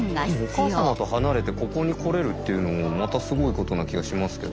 お母様と離れてここに来れるっていうのもまたすごいことな気がしますけど。